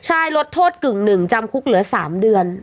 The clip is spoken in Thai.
ใช่ลดโทษกึ่งหนึ่งจำคุกเหลือ๓เดือน